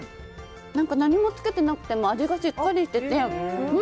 何もつけてなくても味がしっかりしてて。